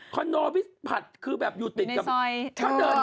คอนโดพิพัดอยู่ในนั้นค่ะคอนโดพิพัดอยู่ในซอยทึ่งเช้า